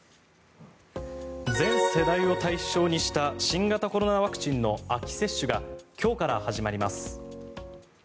全世代を対象にした新型コロナワクチンの秋接種が今日から始まります。